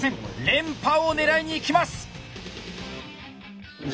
連覇を狙いにいきます！